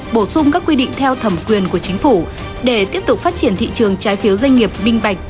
bổ sung các quy định theo thẩm quyền của chính phủ để tiếp tục phát triển thị trường trái phiếu doanh nghiệp minh bạch